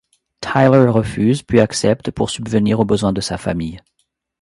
Tyler refuse puis accepte pour subvenir aux besoins de sa famille.